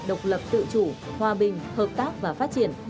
độc lập tự chủ hòa bình hợp tác và phát triển